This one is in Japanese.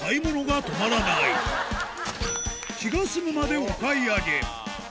気が済むまでお買い上げ